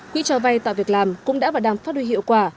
quỹ cho vay tạo việc làm cũng đã và đang phát đôi hiệu quả